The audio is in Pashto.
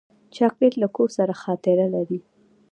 چاکلېټ له کور سره خاطره لري.